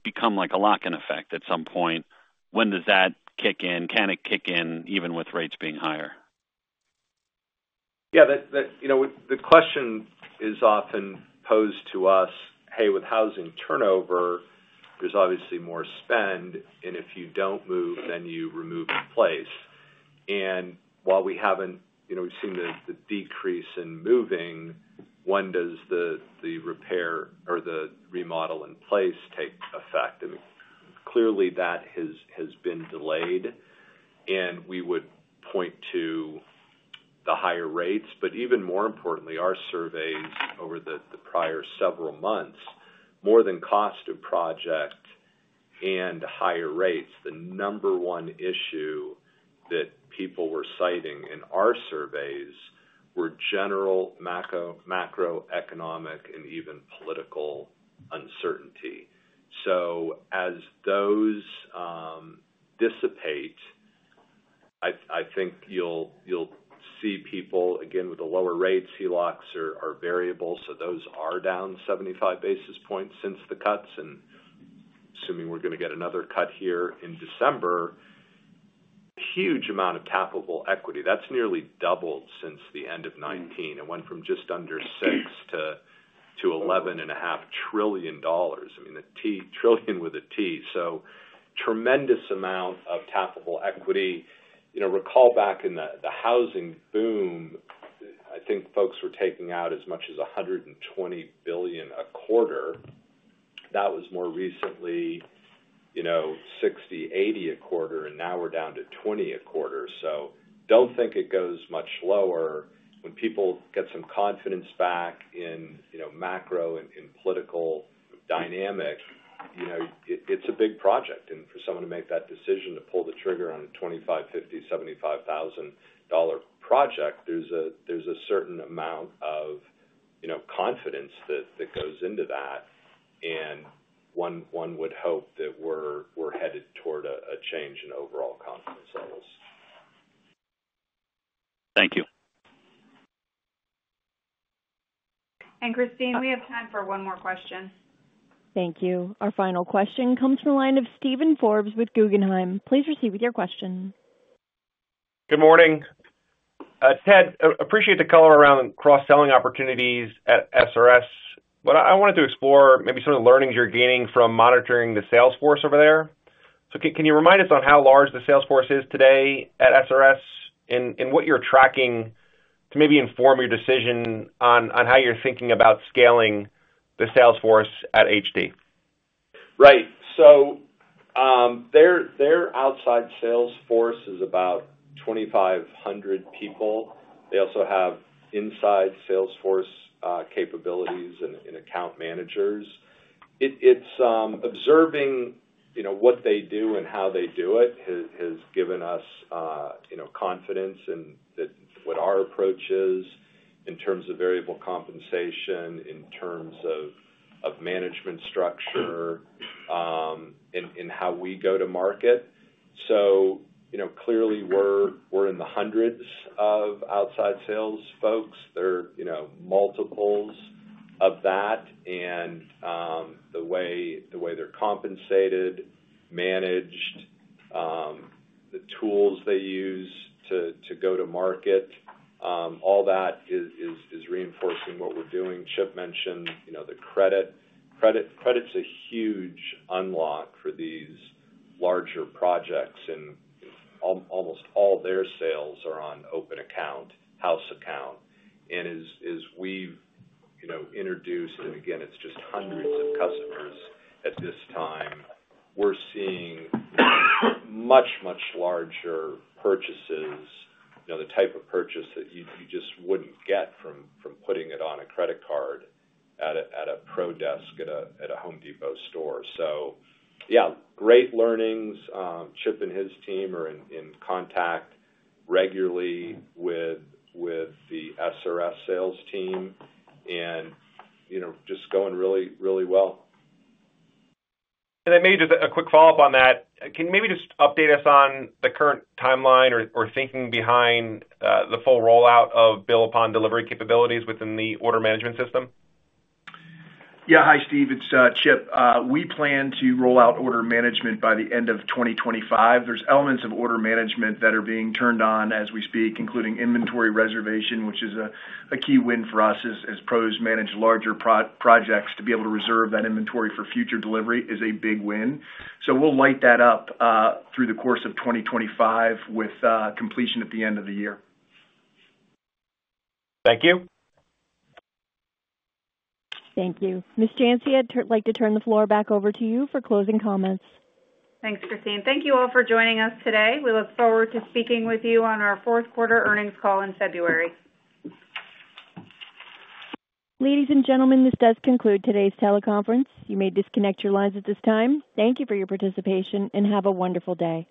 S16: become like a lock-in effect at some point? When does that kick in? Can it kick in even with rates being higher?
S6: Yeah. The question is often posed to us, "Hey, with housing turnover, there's obviously more spending. And if you don't move, then you renovate in place." And while we haven't seen the decrease in moving, when does the repair or the remodel in place take effect? I mean, clearly, that has been delayed, and we would point to the higher rates. But even more importantly, our surveys over the prior several months, more than cost of project and higher rates, the number one issue that people were citing in our surveys were general macroeconomic and even political uncertainty. So as those dissipate, I think you'll see people, again, with the lower rates. HELOCs are variable. So those are down 75 basis points since the cuts. And assuming we're going to get another cut here in December, a huge amount of tappable equity. That's nearly doubled since the end of 2019. It went from just under $6 trillion to $11.5 trillion. I mean, a T, trillion with a T. So tremendous amount of tappable equity. Recall back in the housing boom, I think folks were taking out as much as $120 billion a quarter. That was more recently $60 billion-$80 billion a quarter, and now we're down to $20 billion a quarter. So don't think it goes much lower. When people get some confidence back in macro and political dynamic, it's a big project, and for someone to make that decision to pull the trigger on a $25,000, $50,000, $75,000 project, there's a certain amount of confidence that goes into that, and one would hope that we're headed toward a change in overall confidence levels.
S16: Thank you.
S2: Christine, we have time for one more question.
S1: Thank you. Our final question comes from the line of Steven Forbes with Guggenheim. Please proceed with your question.
S17: Good morning. Ted, appreciate the color around cross-selling opportunities at SRS. But I wanted to explore maybe some of the learnings you're gaining from monitoring the sales force over there. So can you remind us on how large the sales force is today at SRS and what you're tracking to maybe inform your decision on how you're thinking about scaling the sales force at HD?
S6: Right. So their outside sales force is about 2,500 people. They also have inside sales force capabilities and account managers. It's observing what they do and how they do it has given us confidence in what our approach is in terms of variable compensation, in terms of management structure, and how we go to market. So clearly, we're in the hundreds of outside sales folks. There are multiples of that. And the way they're compensated, managed, the tools they use to go to market, all that is reinforcing what we're doing. Chip mentioned the credit. Credit's a huge unlock for these larger projects. And almost all their sales are on open account, house account. As we've introduced, and again, it's just hundreds of customers at this time, we're seeing much, much larger purchases, the type of purchase that you just wouldn't get from putting it on a credit card at a Pro Desk at a Home Depot store. So yeah, great learnings. Chip and his team are in contact regularly with the SRS sales team, and just going really, really well.
S17: I may just do a quick follow-up on that. Can you maybe just update us on the current timeline or thinking behind the full rollout of bill upon delivery capabilities within the order management system?
S3: Yeah. Hi, Steve. It's Chip. We plan to roll out order management by the end of 2025. There's elements of order management that are being turned on as we speak, including inventory reservation, which is a key win for us as pros manage larger projects to be able to reserve that inventory for future delivery, is a big win. So we'll light that up through the course of 2025 with completion at the end of the year.
S17: Thank you.
S1: Thank you. Ms. Janci, I'd like to turn the floor back over to you for closing comments.
S2: Thanks, Christine. Thank you all for joining us today. We look forward to speaking with you on our Q4 earnings call in February.
S1: Ladies and gentlemen, this does conclude today's teleconference. You may disconnect your lines at this time. Thank you for your participation, and have a wonderful day.